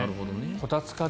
こたつかな？